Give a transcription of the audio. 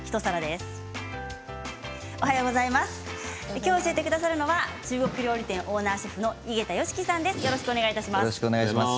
きょう教えてくださるのは中国料理店オーナーシェフの井桁良樹さんです。